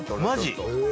マジ？